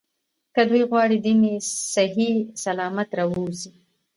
که دوی غواړي دین یې صحیح سلامت راووځي.